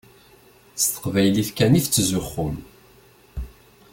S teqbaylit kan i tettzuxxum.